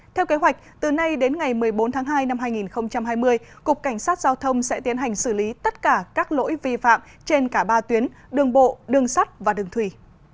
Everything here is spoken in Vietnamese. theo kế hoạch từ nay đến ngày một mươi bốn tháng hai năm hai nghìn hai mươi cục cảnh sát giao thông sẽ tiến hành xử lý tất cả các lỗi vi phạm trên cả ba tuyến đường bộ đường sắt và đường thủy